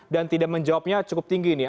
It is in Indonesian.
dan tidak menjawabnya cukup tinggi